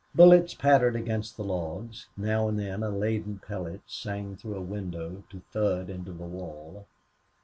Bullets pattered against the logs; now and then a leaden pellet sang through a window, to thud into the wall.